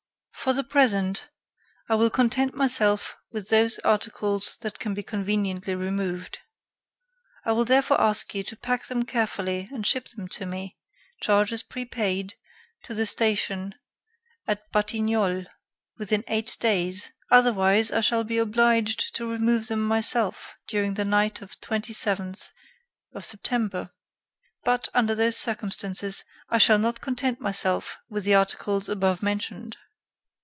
"For the present, I will content myself with those articles that can be conveniently removed. I will therefore ask you to pack them carefully and ship them to me, charges prepaid, to the station at Batignolles, within eight days, otherwise I shall be obliged to remove them myself during the night of 27 September; but, under those circumstances, I shall not content myself with the articles above mentioned.